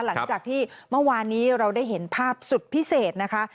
หลังจากที่เมื่อวานนี้เราได้เห็นภาพสุดพิเศษนะคะ